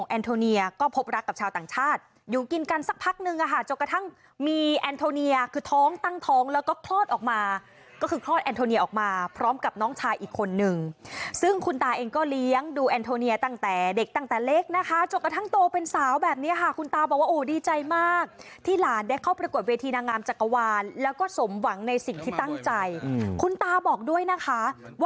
แอนโทเนียคือท้องตั้งท้องแล้วก็คลอดออกมาก็คือคลอดแอนโทเนียออกมาพร้อมกับน้องชายอีกคนนึงซึ่งคุณตาเองก็เลี้ยงดูแอนโทเนียตั้งแต่เด็กตั้งแต่เล็กนะคะจนกระทั่งโตเป็นสาวแบบนี้ค่ะคุณตาบอกว่าโอ้ดีใจมากที่หลานได้เข้าประกวดเวทีนางามจักรวาลแล้วก็สมหวังในสิ่งที่ตั้งใจคุณตาบอกด้วยนะคะว